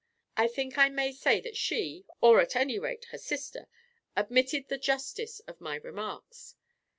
I think I may say that she, or, at any rate, her sister, admitted the justice of my remarks.